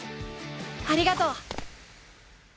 ありがとう！